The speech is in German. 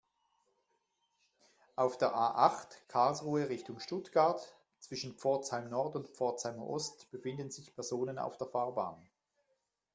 Auf der A-acht, Karlsruhe Richtung Stuttgart, zwischen Pforzheim-Nord und Pforzheim-Ost befinden sich Personen auf der Fahrbahn.